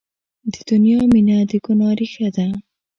د دنیا مینه د ګناه ریښه ده.